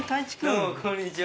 どうも、こんにちは。